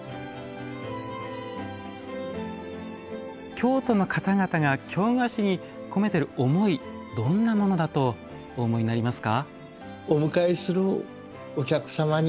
京都の方々が京菓子に込めてる思いどんなものだとお思いになりますか？